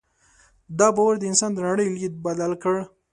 دا باور د انسان د نړۍ لید بدل کړ.